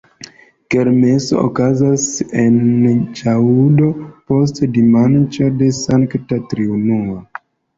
Kermeso okazas en ĵaŭdo post dimanĉo de Sankta Triunuo.